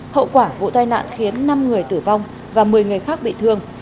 hậu quả vụ tai nạn khiến năm người tử vong và một mươi người khác bị thương